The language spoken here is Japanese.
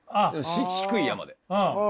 低い山で。